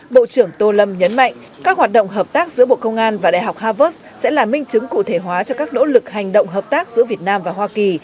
bộ trưởng tô lâm nhấn mạnh các hoạt động hợp tác giữa bộ công an và đại học harvard sẽ là minh chứng cụ thể hóa cho các nỗ lực hành động hợp tác giữa việt nam và hoa kỳ